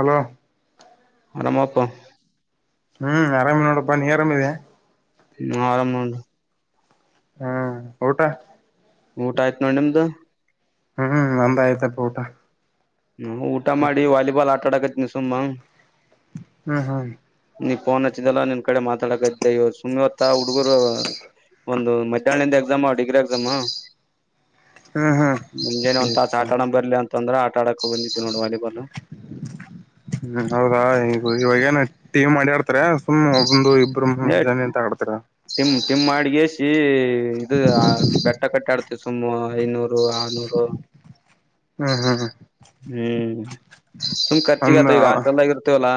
ಅಲ ಆರಾಮಪ್ಪ ಹ್ಮ್ ಆರಾಮೇ ನೋಡಪ್ಪಾ ನೀ ಆರಾಮಿದೆ ಆರ ಹ್ಮ್ ಊಟಾ ಊಟ ಆಯ್ತ ನೋಡಿ ನಿಮ್ದು ಹ್ಮ್ ನಂದ ಆಯ್ತ ಊಟ ನಾವು ಊಟ ಮಾಡಿ ವಾಲಿಬಾಲ್ ಆಟ ಆಡಕತ್ತನಿ ಸುಮ್ಮಾ ಹ್ಮ್ ಹ್ಮ್. ಫೋನ್ ಹಚ್ಚಿದ್ದಲ್ಲ ನಿನ್ ಕಡೆ ಮಾತಾಡಕ ಇದ್ದೆ ಇವ ಸುಮ್ವತ್ತ ಹುಡುಗುರೂ. ಒಂದು ಮಡ್ಯಾಹ್ನಿಂದ ಎಕ್ಸಾಮ ಡಿಗ್ರಿ ಎಕ್ಸಾಮ. ಹ್ಮ್ ಮುಂಜನೇ ಒಂದ್ ತಾಸ್ ಹ್ಮ್ ಆಟ್ ಆದಮ್ ಬರ್ಲೆ ಅಂತ್ ಅಂದ್ರ ಆಟ ಆಡಕ್ ಓತಿನ್. ಹ್ಮ್ ಹೌದಾ ಈಗ ಇವಾಗೇನಯತ್. ಟಿವಿ ಮಾಡಿ ಆಡ್ತಾರ ಸುಮ್ ಒಂದು ಇಬ್ಬರು ಮೂರ್ ಜನ ಇಂತ ಆಡ್ತಿರ. ನಿಮ್ ಮಾಡ್ಗೇಶೀ ಇದು ಆ ಬೆಟ್ಟ ಕಟ್ಟಿ ಆಡ್ತಿವಿ ಸುಮ್ಮು ಐನೂರು. ದು ಆರ್ನುರು. ಹ್ಮ್ ಹ್ಮ್ ಹ್ಮ್ ಸುಮ್ ಖರ್ಚಿಗೆ ಅಂದ ಆತ ಈಗ್ ಆಷ್ಟಲ್ದಾಗ್ ಇರ್ತೇವಲ್ಲಾ.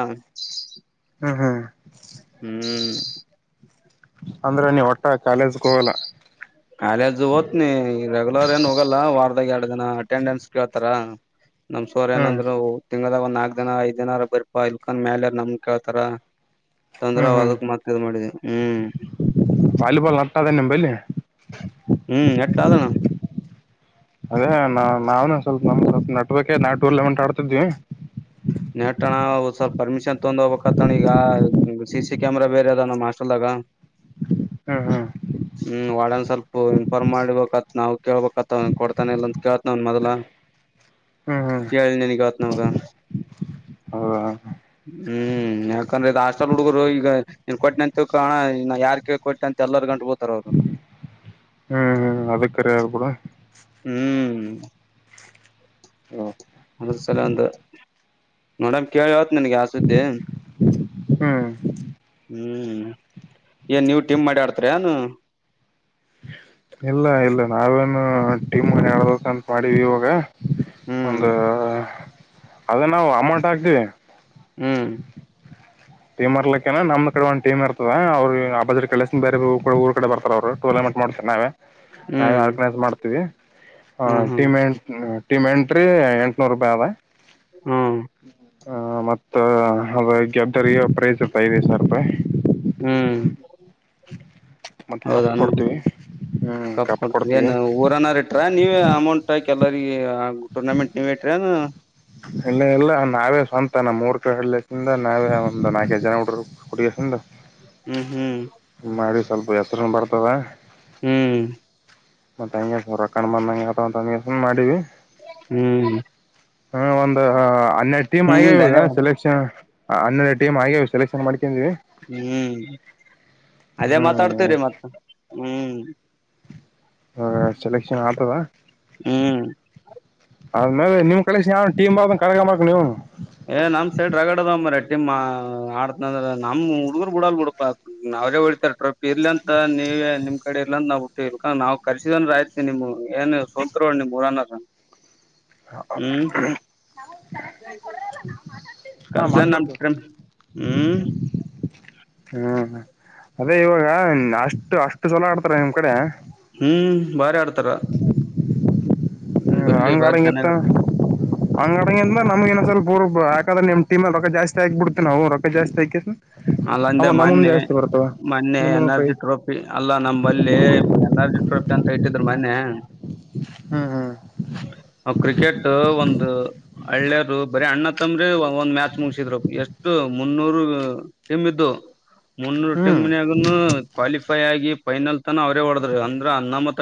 ಹ್ಮ್ ಹ್ಮ್ ಹ್ಮ್. ಅಂದ್ರ ನೀ ಒಟ್ಟ ಕಾಲೇಜ್ಕ್ ಹೋಗಲ್ಲ. ಕಾಲೇಜ್ ಓತ್ನಿ ಇ ರೆಗ್ಯುಲರ್ ಏನ್ ಹೋಗಲ್ಲ ವಾರದ ದಾಗ್ ಎರ್ಡ್ ದಿನ ಅಟೆಂಡೆನ್ಸ್ ಕೇಳ್ತಾರ ನಮ್ ಸೋರ್ ಹ್ಮ್ ಏನಂದ್ರು ಉ ತಿಂಗ್ಳ್ದಾಗ ಒಂದ್ ನಾಕ್ ದಿನ ಐದ್ ದಿನಾರ ಬರ್ಪಾ ಇಲ್ಕಂದ್ ಮ್ಯಾಲ್ ಆರೆ ನಮ್ ಕೇಳ್ತರಾ. ತಂದ್ರ ಹ್ಮ್ ಅವ ಅದಕ್ ಮತ್ ಇದು ಮಾಡಿದೆ ಹ್ಮ್. [unintelligible] ವಾಲಿಬಲ್ ಅಟ್ಟ ಅದ ನಿಮ್ ಬಲ್ಲಿ. ಹ್ಮ್ ನೆಟ್ ಅದಣ [unintelligible] ಅದೇ ನಾ ನಾವ್ನು ಸ್ವಲ್ಪ ನಮ್ದ್ ಸಪ್ ನಟ್ರ್ಕೆ ನಾ ಟೂರ್ಲಿಮೆಂಟ್ ಆಡ್ತಿದ್ವಿ. ನೆಟ್ಟಣ್ಣ ಅದು ಸ್ವಲ್ಪ ಪರ್ಮಿಷನ್ ತೊಂದ್ ಹೋಬೇಕಾತ್ತಣ ಈಗ ಸಿ ಸಿ ಕ್ಯಾಮೆರಾ ಬೇರೆ ಅದ ನಮ್ ಆಸ್ಟಲ್ದಾಗ. ಹ್ಮ್ ಹ್ಮ್. ಹ್ಮ್ ವಾಳನ್ ಸ್ವಲ್ಪ ಇನ್ಫಾರ್ಮ್ ಮಾಡ್ಬೇಕತ್ ನಾವ್ ಕೇಳ್ಬೇಕತ್ ಕೊಡ್ತಾನ ಇಲ್ಲ ಅಂತ ಕೇಳ್ತ್ನವ್ ಮೊದಲ. [inaudible] ಕೆೇಳಿ ನಿನಿಗ್ ಹೇಳ್ತ್ನ ಹೋಗ. ಹೌವ. ಹ್ಮ್ ಯಾಕಂದ್ರೆ ಇದ್ ಹಾಸ್ಟೆಲ್ ಹುಡುಗುರು ಈಗ ಇನ್ ಕೊಟ್ಟನಂತ್ ತಿಳ್ಕೊ ಅಣಾ ಇನ್ನ ಯಾರ್ ಕೇಳ್ ಕೊಟ್ಟ್ ತಂತ್ ಎಲ್ಲರ್ ಗಂಟ್ ಹೋತರ ಅವ್ರು. ಹ್ಮ್ ಹ್ಮ್ ಅದ ಕರೆ ಅದ ಬಿಡ. ಹ್ಮ್. ಅದ್ಸಲಂದ ನೋಡಮ್ ಕೇಳ್ ಹೇಳ್ತೇನ್ ನಿನ್ಗ್ ಯಾ ಸುದ್ದಿ. ಹ್ಮ್ ಹ್ಮ್ ಏನ್ ನೀವ್ ಟೀಮ್ ಮಾಡಿ ಆಡ್ತಿರೇನೂ. ಇಲ್ಲ ಇಲ್ಲ ನಾವೇನು ಟೀಮ್ ಮಾಡಿ ಆಡ್ಬೇಕ್ ಅಂತ್ ಮಾಡೀವಿ ಇವಾಗ. ಹ್ಮ್ ಒಂದೂ ಅದ ನಾವು ಅಮೊಂಟ್ ಹಾಕ್ತಿವಿ. ಹ್ಮ್. ಟೀಮ್ ಮರ್ಲಕ್ಕೇನಾ ನಮ್ ಕಡೆ ಒಂದ್ ಟೀಮ್ ಇರ್ತದ ಅವ್ರು ಆ ಬಜ್ರ ಕಳ್ಸ್ತೀನ್ ಬೇರೆ ಊಕುಳ ಊರ್ ಕಡೆ ಬರ್ತಾರ ಅವ್ರು ಪುಲ ಮಾಡ್. ಅಂತ್ ಮಾಡ್ಸರ್ ನಾವೆ ನಾವೆ ಹ್ಮ್ ಆರ್ಗನೈಸ್ ಮಾಡ್ತೀವಿ ಆ ಹ್ಮ್ ಹ್ಮ್ ಟೀಮ್ಮೆಂಟ್ಸ್ ಟಮ್ ಎಂಟ್ರೀ ಎಂಟ್ನೂರುಪಾಯ್ ಅವ ಹ್ಮ್ ಆ ಮತ್ತ್ ತೂ ಅದ ಅದಾಗ ಗೆಬ್ಜರಿಗೆ ಪ್ರೈಸು ಫೈವ್ ಐದ್ ಸಾವಿರ್ ರೂಪಾಯ್. ಹ್ಮ್. ಮತ್ತ್ ಕಪ್ಪ್ ಹೌದಾನ ಕೊಡ್ತೀವಿ. ಹ್ಮ್ ಕಪ್ ಕೊಡ್ತಿವಿ ಕೊಡ್ತೀವಿ ಏನ ಊರನಾರ್ ಇಟ್ರಾ ನೀವೆ ಅಮೌಂಟ್ ಆಕಿ ಎಲ್ಲ ಈಯಾಗು ಟೂರ್ನಮೆಂಟ್ ನೀವೆ ಇಟ್ರೇನೂ. ಇಲ್ಲ ಎಲ್ಲ ನಾವೇ ಸ್ವಂತ ನಮ್ಮೂರ್ ಕ ಹಳ್ಳಿ ಇಂದ ನಾವೇ ಒಂದ್ ನಾಲ್ಕೈದು ಜನ ಹುಡ್ರು ಕೂಡಿಸ್ಕೊಂಡು. ಹ್ಮ್ ಹ್ಮ್ ಮಾಡಿ ಸ್ವಲ್ಪ ಹೆಸರುನು ಬರ್ತವೆ. [unintelligible] ಹ್ಮ್ ಮತ್ತ್ ಹೆಂಗೆ ಮೂರ್ ರೊಕ್ಕನು ಬಂದಂಗ್ ಆತವನೆ ಇನ್ ಮಾಡಿವಿ. ಹ್ಮ್ ಹ ಒಂದೂ ಹನ್ನೆರ್ಡ್ ಟೀಮ್ ಆಗ್ಯಾವ್ ಹ್ಮ್ ಈಗ ಅದೇ ಸೆಲೆಕ್ಷನ್ ಹನ್ನೆರ್ಡ್ ಟೀಮ್ ಆಗ್ಯಾವ ಸೆಲೆಕ್ಷನ್ ಮಾಡಿ. ಹ್ಮ್ ಅದೇ ಹ್ಮ್ ಮಾತಾಡ್ತೀರಿ ಮತ್ತ ಹ್ಮ್. ಹಾ ಸೆಲೆಕ್ಷನ್ ಆತವ. ಹ್ಮ್. ಅದ್ಮೇಲೆ ನಿಮ್ ಕಳಿಶನ್ ಯಾವನ್ ಟೀಮ್ ಬಾಮನ್ ಕಳ್ಕಂಬೇಕ್ ನೀವುನು. ಏ ನಮ್ಮ್ ಸೈಡ್ ರಗಡದ ಮಾರೆ. ಆಡಂದ್ರ ನಮ್ ಹುಡ್ಗರು ಬಿಡಲ್ ಬಿಡ ಅವ್ರೇ ಹೊಳಿತಾರೆ ಟ್ರ ಇರ್ಲಿ ಅಂತ ನೀ ನೀವ ನಿಮ್ ಕಡೆ ಇರ್ಲ್ಲ ಅಂತ ನಾವು ಹಟ್ಟಿ ನಾವ್ ಕರ್ಸಿದ್ರ ಆಯ್ತೀ ನಿಮ್ ಏನ್ ಸೋತ್ರುಳ ನಿಮ್ ಊರನಾರ ಹ ಹ್ಮ್ ಕರ್ಸ್ಲ ನಮ್ [unintelligible] ಹ್ಮ್ ಹ್ಮ್ ಅದೇ ಇವಾಗ ಅಷ್ಟು ಅಷ್ಟ ಚಲೋ ಆಡ್ತಾರೆ ನಿಮ್ಮ್ ಕಡೆ ಹ್ಮ್ ಬಾರಿ ಆಡ್ತಾರ ಹ್ಮ್ ಹ ಬಲ್ಲಿ ಹಂಗ ಬಾರಿ ಅಡಂಗ ಇತ್ತ ಚೆನ್ನಾಗ ಹಂಗ ಅಡ ನಮಗನ ಸ್ವಲ್ಪ ಅವರ್ಕ್ರೆ ನಿಮ್ಮ ನಿಮ್ಮಲ್ಲಿ ರೊಕ್ಕ ಜಾಸ್ತಿ ಆಕ್ಬ ಬಿಡ್ತೀ ನಾವು ರೊಕ್ಕ ಜಾಸ್ತಿ ಆಕಿ ಅಲ್ಲಂದೆ ಮೊನ್ನೆ ಮೊನ್ನೆ ನಿಮ್ಮ ಎನ್ರ್ಜಿ ಪ್ರೈಸ್ ಟ್ರೋಫಿ ಅಲ್ಲಾ ನಮ್ಮಲ್ಲಿ ಎನ್ರ್ಜಿ ಟ್ರೋಫಿ ಅಂತ ಇಟ್ಟಿದ್ ಮೊನ್ನೆ ಹ್ಮ್ ಹ್ಮ್ ಅವ ಕ್ರಿಕೆಟ್ ಒಂದು ಹಳ್ಳಿಯರು ಬರೀ ಅಣ್ಣ ತಮ್ಮವರೇ ಒಂದ್ ಮ್ಯಾಚ್ ಮುಗಸಿದ್ರು ಎಷ್ಟ ಮುನ್ನೂರು ಟೀಮ್ ಇದ್ದು ಮುನ್ನೂರು ಹ್ಮ್ ಟೀಮ್ನಾಗ ಕ್ವಾಲಿಫೈ ಆಗಿ ಫೈನಲ್ ತನ ಅವ್ರೇ ಹೊಡದ್ರ ಅಂದ್ರ ಅನ್ನಾಮತ್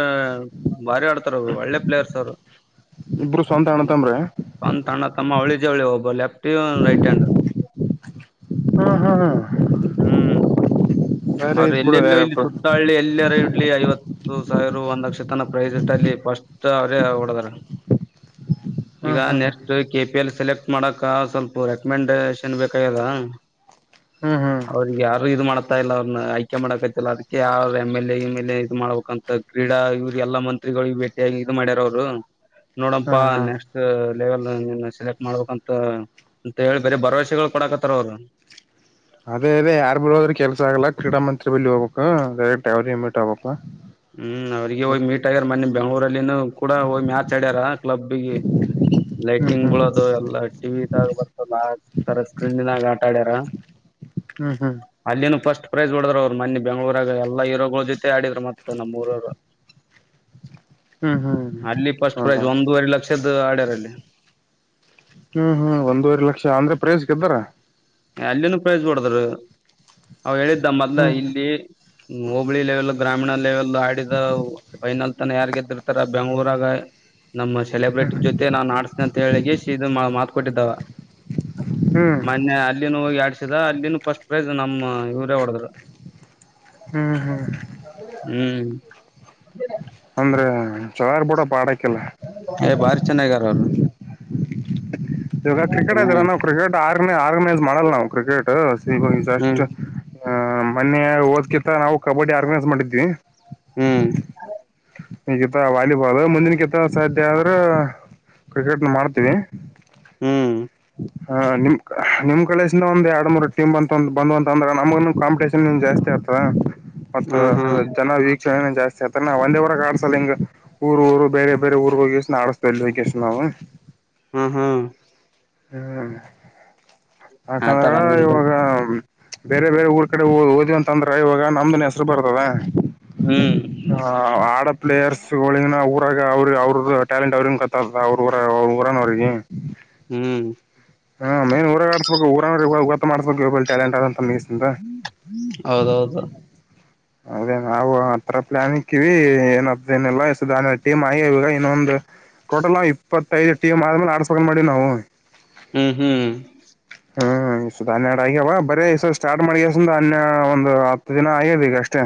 ಭಾರಿ ಆಡ್ತಾರ ಅವರು ಒಳ್ಳೆ ಪ್ಲೇಯರ್ಸ್ ಅವರು ಇಬ್ರು ಸ್ವಂತ ಅಣ್ಣ ತಮ್ಮರಿ ಒಂದ ಅಣ್ಣ ತಮ್ಮ ಅವಳಿ ಜವಳಿ ಒಬ್ಬ ಲೆಫ್ಟ್ ರೈಟ್ ಆಂಡ್ ಹಾ ಹಾ ಹಾ ಹೌರೂ ಎಲ್ಲೆಲ್ಲೂ ಇಲ್ಲಿ ಸುತ್ತಾಳ್ಳಲಿ ಎಲ್ಲರ ಇಡ್ಲಿ ಐವತ್ತು ಸಾವಿರ ಒಂದ್ ಲಕ್ಷ ತನ ಪ್ರೈಸ್ ಇಟ್ ಅಲ್ಲಿ ಫಸ್ಟ್ ಅವ್ರೇ ಹೊಓಡದಾರ ಈಗ ಹ್ಮ್ ಹ್ಮ್ next K P L select ಮಾಡಕ ಸ್ವಲ್ಪ ರೆಕಮೆಂಡೇಶನ್ ಬೇಕಾಗ್ಯದ ಹ್ಮ್ ಹ್ಮ್ ಹ್ಮ್ ಅವ್ರಿಗೆ ಯಾರು ಇದು ಮಾಡತ ಇಲ್ಲ ಅವ್ರನ್ನ ಆಯ್ಕೆ ಮಾಡಕತ್ತಲ್ಲ ಅದಕ್ಕೆ ಯಾರ M L M L A ಇದು ಮಾಡ್ಬೇಕಂತ ಕ್ರೀಡಾ ಇವ್ರ ಎಲ್ಲ ಮಂತ್ರಿ ಭೇಟಿಗಿ ಇದು ಮಾಡ್ಯಾರ ಅವ್ರು ನೋಡಪಾ ಹ್ಮ್ ಹ್ಮ್ ನೆಕ್ಸ್ಟ್ ಲೆವೆಲ್ ಸೆಲೆಕ್ಟ್ ಮಾಡ್ಬೇಕಂತ ಅಂತ ಹೇಳಿ ಬರ ಭರವಸೆಗಳು ಕೊಡಕತ್ತಾರ ಅವ್ರು ಅದೇ ಅದ ಯಾರ್ ಬ ಹೋದ್ರರು ಕೆಲ್ಸ ಆಗಲ್ಲ ಕ್ರಡಾ ಮಂತ್ರಿ ಬಿ ಹೋಗಬೇಕು ಡೈರೆಕ್ಟ್ ಅವರೇ ಮೀಟ್ ಆಗ್ಬೇಕು ಹ್ಮ್ ಅವ್ರಿಗೆ ಹೋಗಿ ಮೀಟ್ ಆಗ್ಯಾರ ಮೊನ್ನೆ ಬೆಂಗಳೂರಲ್ಲಿ ಕೂಡ ಹೋಗಿ ಮ್ಯಾಚ್ ಆಡ್ಯಾರ ಕ್ಲಬ್ಗ ಹ್ಮ್ ಲೈಟಿಂಗ್ ಹ್ಮ್ ಬಳೋದು ಎಲ್ಲ ಟಿವಿದಾಗ ಬರ್ತದ ಆರ ಸ್ಕ್ರೀನ್ನಾಗ ಆ ಮಾಡ್ಯಾರ ಹ್ಮ್ ಹ್ಮ್ ಅಲ್ಲಿೇನು ಫಸ್ಟ್ ಪ್ರೈಸ್ ಹೊಡ್ರ್ ಅವರು ಮಿ ಬೆಂಗಳೂರಾಗ ಎಲ್ಲಾ ಹೀರೋ ಗಳು ಜೊತೆ ಆಡಿದ್ತ್ತೆ ಹ್ಮ್ ಹ್ಮ್ ಅಲ್ಲಿ ಫಸ್ಟ್ ಹೌದಾ ಪ್ರೈಸ್ ಒಂದೂವರೆ ಲಕ್ಷದ ಆಡ್ಯಾರ ಅಲ್ಲಿ ಹ್ಮ್ ಹ್ಮ್ ಒಂದೂವರೆ ಲಕ್ಷ ಅಂದ್ರೆ ಪ್ರೈಸ್ ಗೆದ್ದರೆ ಅಲ್ಲಿನ ಪ್ರೈಜ್ ಕೊಡದರು ಅವ ಹೇಳಿದ್ದ ಮೊದ್ಲ ಹ್ಮ್ ಇಲ್ಲಿ ಹೋಬಳಿ ಲೆವೆಲ್ ಗ್ರಾಮೀಣ ಲೆವೆಲ್ ಆಡಿದ ಫೈನಲ್ ತನ ಯಾರ್ ಗೆದ್ದಿರುತ್ತಾರೆ ಬೆಂಗಳೂರಾಗ ನಮ್ಮ ಸೆಲೆಬ್ರಿಟಿ ಜೊತೆ ನಾವು ನಾಡ್ಸ್ದ ಅಂತ ಹೇಳಗೆ ಇ ಮಾತಕೊಟ್ಟಿದ್ದಾವ ಹ್ಮ್ ಮೊನ್ನೆ ಅಲ್ಲಿನೂ ಹೋಗಿ ಆಡ್ಸಿದ ಅಲ್ಲಿನ ಫಸ್ಟ್ ಪ್ರೈಜ್ ನಮ್ಮ್ ಇವರೇ ಹೊಡದ್ರು ಹ್ಮ್ ಹ್ಮ್ ಹ್ಮ್ ಹ್ಮ್ ಅಂದ್ರೆ ಚವಾರ್ ಬೂಡ ಪಾಡಕಲ್ಲ ಏ ಭಾರಿ ಚೆನ್ನಾಗಗಾರ ಅವರು ಇವಾಗ ಕ್ರಿಕೆಟ್ ಅದರ ಹ್ಮ್ ನಾವು ಕ್ರಿಕೆಟ್ ಆರ್ಗನೈ ಆರ್ಗನೈಸ್ ಮಾಡಲ್ಲ ನಾವು ಕ್ರಿಕೆಟ್ ಈಸ್ಟ್ ಹ್ಮ್ ಹ ಮೊನ್ನೆ ಓದ್ಕಿತ್ತ ನಾವು ಕಬಡ್ಡಿ ಆರ್ಗನೈಸ್ ಮಾಡಿದ್ವಿ ಹ್ಮ್ ಈಗಿತ್ತ ವಾಲಿಬಾಲ್ ಮುಂದಿನಗಿಂತ ಸಾಧ್ಯ ಆದ್ರ ಕ್ರಿಕೆಟ್ ನ ಮಾಡ್ತೀವಿ ಹ್ಮ್ ಹ ನಿಮ್ ನಿಮ್ ಕಾಲೇಜಿಂದ ಒಂದು ಎರಡ್ ಮೂರ್ ಟೀಮ್ ಅಂತ ಬಂದ್ ಅಂತಂದ್ರ ನಮ ಕಂಪಿಟೇಷನ್ನ್ ಜಸ್ತಿ ಹ್ಮ್ [unintelligible] ಹ್ಮ್ ಜನ ವೀಕ್ಷಣೆ ಜಾಸ್ತಿ ಆತ ಒಂದೇ ಆಡ್ಸಲ್ಲ ಹಿಂಗ ಊರು ಊರು ಬೇರೆ ಬೇರೆ ಊರ್ ಹೋಗಿಷ್ಟ ಆಡ್ಸ್ತ ಇಲ್ಶಷ್ಟು ನಾವವು ಹ್ಮ ಹ್ಮ ಹ್ಮ್ ಯಾಕಂದ್ರ ಆತರ ನಿಮ್ದು ಇವಾಗ ಬೇರೆ ಬೇರೆ ಬೇರೆ ಊರ್ ಕಡೆ ಓದಿ ಅಂತಂದ್ರ ಇವಾಗ ನಮ್ದನ್ ಹೆಸರು ಬರ್ತದ ಹ್ಮ್ ಹ ಪ್ಲೇಯರ್ಸ್ೋಳಿಂಗನ ಊರಾಗ ಅವ್ರರು ಅವ್ರದ್ದ ಟ್ಯಾಲೆಂಟ್ ಅವ್ರ ಕತ್ತ ಅವ್ರ ಊರ ಅವ್ರ ಊರನ ಅವ್ರಿಗೆ ಹೂ ಮಾಡ್ ಟಾಲಂಟ್ ಅಂತ ಮ ಹೌದೌದು ಅದೇ ನಾವು ಆತ್ರರ ಪ್ಲಾನ್ ಇಕ್ಕಿವಿ ಏನದೇನಲ್ಲ ಎಾನ ಟೀಮ್ ಆಗಿ ಇವಾಗ ಇನ್ನೊಂದು ಟೋಟಲ್ ನಾವು ಇಪ್ಪತ್ತೈದು ಟೀಮ್ ಆದ್ಮೇಲೆ ಆಡ್ಸ್ಕೊಂಡು ಮಾಡಿ ನಾವು ಹೂ ಹೂ ಹಾ ಇ ಹನ್ನೆರಡು ಆಗ್ಯವ ಬರೇ ಈ ಸ ಸ್ಟಾರ್ ಮಾಡಿ್ರ ಹನ್ನ ಒಂದು ಹತ್ತು ದಿನ ಆಗ್ಯದ ಈಗ ಅಷ್ಟೇ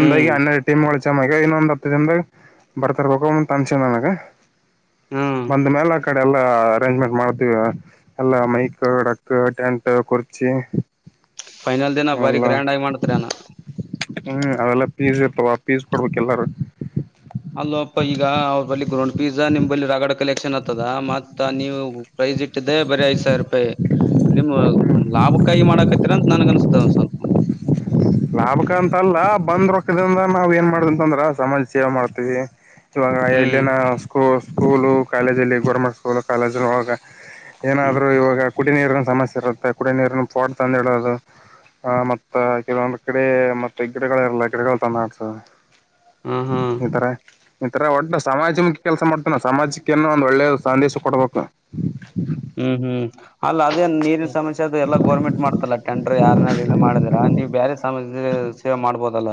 ಹ್ಮ್ ಹನ್ನೆರಡು ಟೀಮ್ಗಳು ಸೇಮ್ ಇನ್ನೊಂದ್ ಹತ್ತು ದಿನದಾಗ ಬರ್ತಿರ್ಬೇಕ ಒಂದ ತನ್ಸನ್ ನಂಗ ಹ್ಮ್ ಬಂದ ಮೇಲೆ ಆ ಕಡೆ ಎಲ್ಲಾ ಅರೇಂಜ್ಮೆಂಟ್ ಮಾಡ್ತೀವಿ ಎಲ್ಲ ಮೈಕ್ ಡಕ್ ಟೆಂಟ್ ಕುರ್ಚಿ ಫೈನಲ್ ದಿನ ಬಾರಿ ಗ್ರ್ಯಾಂಡ್ ಆಗಿ ಮಾಡ್ತಾರ ಅನಾ ಹೂ ಅದೆಲ್ಲ ಪೀಸ್ ಇರ್ತವ ಪೀಸ್ ಕೊಡ್ಬೇಕ್ ಎಲ್ಲಾರು ಅಲ್ಲೋಪ್ಪ ಈಗ ಅವ್ರ ಬಳಿ ಗ್ರೋಂಡ್ ಪಿಜಜಾ ನಿಮಲ್ಲಿ ರಾಗಡ ಕಲೆಕ್ಷನ್ ಆತ್ತತದ ಮತ್ತ ನೀವು ಪ್ರೈಸ್ ಇಟ್ಟ ಇಟ್ಟಿದೆ ಭಾರಿ ಐದು ಸಾವಿರಪಾಯಿ ನಿಮ್ಮ್ ಲಾಭಕಾಯಿ ಮಾಡಕತ್ತೀರ ಅಂತ ನನ್ಗ ಅನ್ಸ್ತಾವ ಒಂದ ಸ್ವಲ್ಪ ಲಾಭಕಂತಲ್ಲ ಬಂದ್ರ ನಾವ್ ಏನ್ ಮಾಡ್ದಂತಂದ್ರ ಸಮಾಜ ಸೇವೆ ಮಾಡ್ತೀವಿ ಇವಾಗ ಹ್ಮ್ ಎಲ್ಲಿಂನ ಸ್ಕೂ ಸ್ಕೂಲು ಕಾಲೇಜಲ್ಲಿ ಗೋರ್ಮೆಂಟ್ ಸ್ಕೂಲು ಕಾಲೇಜ್ಾಗ ಹ್ಮ್ ಏನಾದ್ರು ಇವಾಗ ಕುಡಿಯ ನೀರು ಸಮಸ್ಯೆ ಇರುತ್ತೆ ಕುಡಿಯ ನೀರನ್ನು ಪೋಡ್ತ ಅಂದು ಹೇಳೋದು ಹ ಮತ್ತ ಕೆಲವೊಂದಂದು ಕಡೆ ಮತ್ತೆ ಗಿಡಗಳರಲ್ಲ ಗಿಡಗಳು ತಾಡ್ಸ ಹ ಹಾ ಈಥರ ಈಥರ ಒಡ್ಡ ಸಮಾಜ ಮುಖಿ ಕೆಲಸ ಮಾಡ್ತೇಾನ ಸಮಾಜಕ್ಕೆ ಏನು ಒಂದ್ ಒಳ್ಳೆ ಸಂದೇಶ ಕೊಡ್ಬೇಕು ಹೂ ಹೂ ಅಲ್ಲ ಅದೇ ನೀರಿನ ಸಮಸ್ಯೆ ಅದು ಎಲ್ಲ ಗರ್ಮೆಂಟ್ ಮಾಡ್ತಲ್ಲಾ ಟೆಂಡರ್ ಯಾರನಾರು ಇದ್ ಮಾಡಿದರಾ ನೀವು ಬೇರೆ ಸಮಾಜದ ಸೇವೆ ಮಾಡ್ಬೋದಲ್ಲ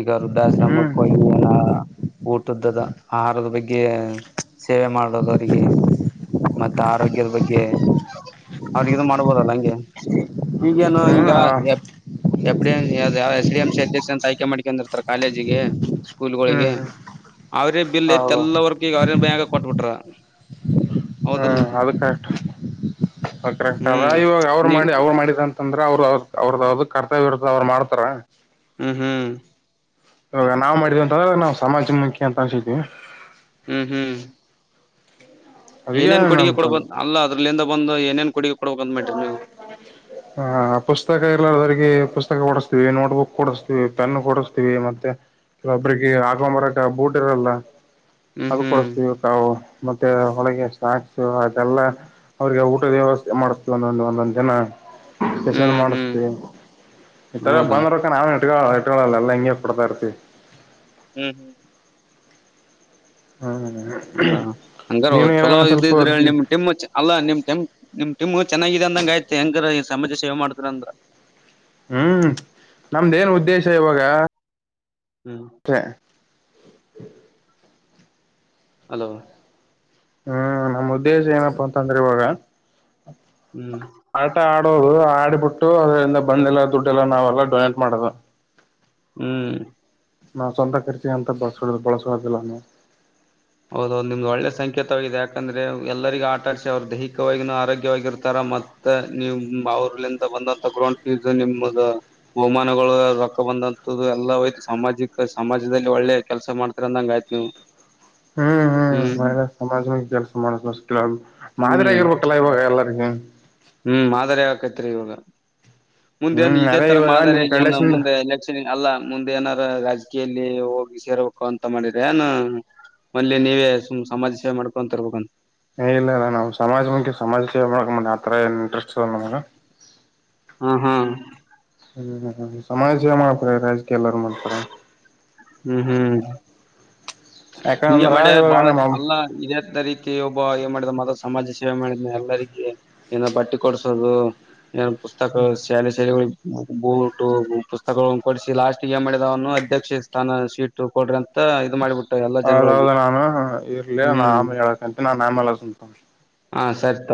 ಈಗ ಹ್ಮ್ ವೃದ್ಧಾಶ್ರಮಕ್ಕ ಹೋಗಿ ಏನ ಊಟದ್ದದ ಆಹಾರದ ಬಗ್ಗೆ ಸೇವೆ ಮಾಡೋದವರಿಗೆ ಮತ್ತೆ ಬಗ್ಗೆ ಅವ್ರಗ ಮಾಡ್ಬೋದಲ್ಲ ಹಂಗೆ ಏನ ಹ್ಮ್ ಇಗ ಎ ಯಾವ ಪಿ ಎಂ ಸಿ ಅಧ್ಯಕ್ಷ ಅಂತ ಆಯ್ಕೆ ಮಾಡ್ಕೊಂಡಿರ್ತ ಕಾಲೇಜಿಗೆ ಹ್ಮ್ ಸ್ಕೂಲ್ಗಳಿಗೆ ಹ್ಮ್ ಅವ್ರ ಬಿಲ್ ತ್ ಹೌದು ಎಲ್ಲ ವರ್ಗಗ ಅವ್ರ ಬಗ ಕೊಟ್ಬಿಟ್ರ ಹೌದಿಲ್ಲ ಹ್ಮ್ ಅದು ಕರೆಕ್ಟ್ ಕರೆಕ್ಟ್ ಅದ ಹ್ಮ್ ಇವಾಗ ಅವ್ರು ನೀವು ಮಾಡಿ ಅವ್ರು ಮಾಡಿದ ಅಂತಂದ್ರೆ ಅವ್ರು ಅವ್ರದಾವ್ದ ಕರ್ತವ್ಯ ಇ ಅವ್ರರು ಮಾಡ್ತಾರ ಹೂ ಹೂ ಇವಾಗ ನಾವ್ ಮಾಡಿದ್ ಅಂತಾಗ ನಾವು ಸಮಾಜನ್ಮುಖಿ ಅಂತ ಅನ್ಸಿದವಿ ಹೂ ಹೂ ಅದಕ್ಕೆ ಏನೇನ್ ಕೊಡುಗೆ ನಮ್ ಕೊಡ ಸ್ವಲ್ಪ ಬಂದ ಅಲ್ಲ ಅದ್ರಲಂದ ಬಂದು ಏನೇನ್ ಕೊಡುಗೆ ಕೊಡ್ಬೇಕಂತ ಮಾಡ್ರಿ ನೀವು ಹ ಪುಸ್ತಕ ಎಲ್ಲದ್ರಿಗೆ ಪುಸ್ತಕ ಹೊಡ್ಸ ನೋಟ್ಬುಕ್ ಕೊಡಿಸ್ತೀವಿ ಪೆನ್ ಕೊಡಿಸ್ತೀವಿ ಮತ್ತೆ ೊಬ್ಬ್ರಕ ಹಾಕೊಂಬರಕ ಬೂಟ್ ಇರಲ್ಲ ಹ್ಮ್ ಅದು ಹ್ಮ್ ಕೊಡಿಸತೀವಿಾವು ಮತ್ತೆ ಹೊಳಗೆ ಎಷ್ಟ ಹಾ ಸೊ ಅದೆಲ್ಲ ಅವ್ರಿಗೆ ಊಟದ ವ್ಯವಸ್ಥೆ ಮಾಡತವಿ ಒಂದೊಂದು ಒಂದೊಂದು ದಿನ ಸ್ಪೆಷಲ್ ಹ್ಮ್ ಹ್ಮ್ ಮಾಡಿಸತೀ ಈ ತರ ಹೌದಾ ಬಂದರಕ ನಾವ ಇಟ್ಟುಗಳಲ್ಲ ಇಟ್ಕೊಳ್ಳಎಲ್ಲ ಹಿಂಗೆ ಕೊಡ್ತರೀರ್ತಿವಿ ಹೂ ಹ್ಮ್ ಹೌದ ಹಂಗಾರ ನೀನು ಚಲೋ ಏನೇನ ಸ್ವಲ್ಪ ಇದಿದ್ರೆ ನಿಮ್ ಟಿಮ್ ಅಲ್ಲಾ ನಿಮ್ ಮ್ ನಿಮ್ ಟೀಮ್ ಚೆನ್ನಾಗಿದೆ ಅಂದಂಗಯ್ು ಹೆಂಗ ಸಮಾಜ ಸೇವೆ ಮಾಡ್ತ ಅಂದ್ರ ಹ್ಮ್ ನಮ್ದ ೇನ್ ಉದ್ದೇಶ ಇವಾಗ ಹ್ಮ್ ತೆ ಹಲೋ ಹ್ಮ್ ನಮ್ಮ ಉದ್ದೇಶ ಏನಪ್ಪಾ ಅಂತಂದ್ರೆ ಇವಾಗ ಹ್ಮ್ ಆಟ ಆಡೋದು ಆಡಿಬಿಟ್ಟು ಅದರಿಂದ ಬಂದ ಎಲ್ಲ ದುಡ್ಡೆಲ್ಲ ನಾವ್ೆಲ್ಲ ದೋ ನೇಟ್ ಮಾಡೋದು ಹ್ಮ್ ನಾ ಸ್ವಂತ ಖರ್ಚಿಗೆ ಅಂತ ಬಳಸ ಬಳಸುವದಿಲ್ಲಾನ ಹೌದ ನಿಮ್ದು ಒಳ್ಳೆ ಸಂಕೇತವಾಗಿದೆ ಯಾಕಂದ್ರೆ ಎಲ್ಲರಿಗ ಆಟಾಡ್ಸ ಅವ್ರು ದೈಹಿಕವಾಗಿೂ ಆರೋಗ್ಯವಾಗಿರ್ತಾರ ಮತ್ತೆ ನೀವು ಅವರ್ಲ್ಲಿಂತ ಬಂದ ತಗೊಂಡ ನಿಮ ಬಹಮಾನಗಳು ರೊಕ್ಕ ಬಂದಂತದು ಎಲ್ಲಾ ಹಯ್ತು ಸಾಮಾಜಿಕ ಸಮಾಜದಲ್ಲಿ ಒಳ್ಳೆ ಕೆಲಸ ಮಾಡ್ತರಂದಂಗ ಆಯ್ತು ಹ ಹ್ಮ್ ಹ್ಮ್ ಮ ಸಮಾಜ ಕೆಲಸ ಮಾಡ ಮಾದರಿ ಹ್ಮ್ ಆಗಿರ್ಬೇಕಲ್ಲ ಇವಾಗ ಎಲ್ಲರಿಗ ಹ್ಮ್ ಮಾದರಿ ಆಕೈತ್ರಿ ಇವಾಗ ಮುಂದೆ ನ್ ಹ್ಮ್ ಇದೇ ಅದೇ ತರ ಇವಾಗ ಮಾದರಿ ನಿನ್ ಏನು ಕಡ್ಲೆಸಿಂದ ಮುಂದೆ ಎಲೆಕ್ಷನ್ ಅಲ್ಲ ಮುಂದೆನ ರಾಜಕೀಯಲ್ಲಿ ಹೋಗಿ ಸೇರ್ಬೇಕು ಅಂತ ಮಾಡಿದ್ರ ನಾನ ಮಲ್ಲಿಲ್ಲಿ ನೀವೇ ಸುಮ್ ಸಮಾಜ ಸೇವೆ ಮಾಡ್ಕೊ ತರ್ಬೇಕಂತ ಏ ಇಲ್ಲ ಇಲ್ಲ ನಾ್ ಸಮಾಜ ಮುಖ ಸಮಾಜ ಸೇವೆ ಮಾಡಕಂದ ಆತರ ಏನ್ ಇಂಟ್ರೆಸ್ಟ್ ಇ ನಮಗೆ ಹ್ಮ ಹಾ ಹ್ಮ ಸಮಾಜ ಮಾಡಡ ರಾಜಕೀಯ ಎಲ್ಲರ ಮಾಡಪಡ ಹ್ಮ್ ಹ್ಮ್ ಹಿಗೆ ಯಾಕಂದ್ರ ಮಾಡ್ಯ ಇವಾಗ ಬಾಳ ನಮ್ಮ ಅಲ್ಲ ಇ ರೀತಿ ಪ್ರತಿ ಒಬ್ಬ ಏನ್ ಮಾಡಿದ ಮದ ಸಮಾಜ ಸೇವೆ ಮಾಡಿದನ ಎಲ್ಲರಿಗೆ ನ ಬಟ್ಟಿ ಕೊಡಸೋದು ಏನು ಪುಸ್ತಕ ಶ್ಯಾಲ ಸ್ಯಾಲ ಬೂಟು ಪುಸ್ತಕಗಳ ಕೊಡಸಿಸಿ ಲಾಸ್ಟ್ಗೆ ಮಿದವನು ಅಧ್ಯಕ್ಷ ಸ್ಥಾನ ಸೀಟ್ ಕೊಡ್ರಂತ ದು ಮಾಡಿಬಟ್ಟು ಅೌದೌದು ನಾನು ಇರ್ಲಿ ನಾ ಹ್ಮ್ ಆಮೆ ಹೇಳಕಂತ ನಾನ್ ಆಮ ಎಲ್ಲ ಸುಂತ ಹಾ ಸರಿತ